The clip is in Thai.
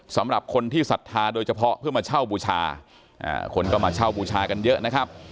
สำหรับคนที่ศรัทธาโดยเฉพาะเพื่อมาเช่าบูชาคนก็มาเช่าบูชากันเยอะนะครับ